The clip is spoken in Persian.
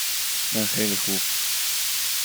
نه خیلی خوب.